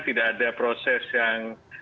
tidak ada proses yang